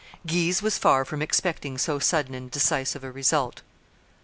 Guise was far from expecting so sudden and decisive a result.